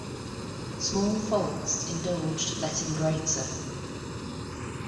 Small faults indulged let in greater.